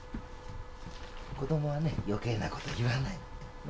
子供はね余計な事言わないの。